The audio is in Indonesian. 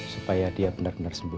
supaya dia benar benar sembuh